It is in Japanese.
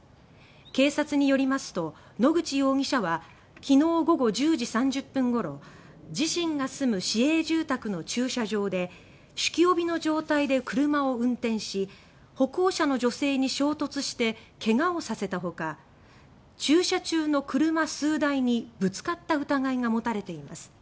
警察によりますと野口容疑者は昨日午後１０時３０分ごろ自身が住む市営住宅の駐車場で酒気帯びの状態で車を運転し歩行者の女性に衝突してけがをさせたほか駐車中の車数台にぶつかった疑いが持たれています。